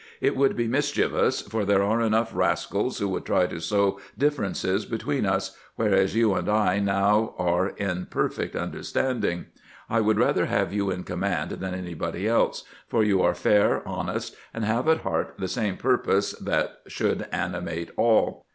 It would be mischievous, for there are enough rascals who would try to sow differences between us, whereas you and I now are in perfect understanding. I would rather have you in command than anybody else ; for you are fair, honest, and have at heart the same purpose that SHERMAN'S LOYALTY TO GRANT 375 should animate all.